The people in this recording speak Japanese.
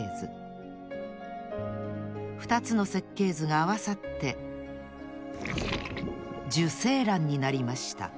ふたつの設計図があわさって受精卵になりました。